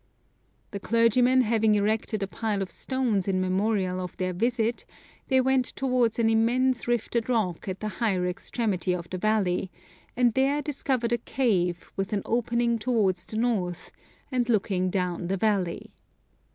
" The clergymen having erected a pile of stones in memorial of their visit, they went towards an immense rifted rock at the higher extremity of the valley, and there discovered a cave, with an opening towards the north, and looking down the valley.